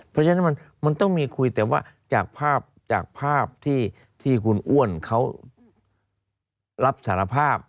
เพราะฉะนั้นมันต้องมีคุยแต่ว่าจากภาพจากภาพที่คุณอ้วนเขารับสารภาพ